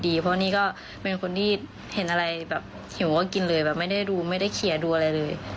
เพราะนี่ก็เป็นคนที่เห็นอะไรแบบหิวก็กินเลยแบบไม่ได้ดูไม่ได้เคลียร์ดูอะไรเลย